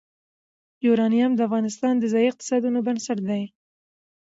یورانیم د افغانستان د ځایي اقتصادونو بنسټ دی.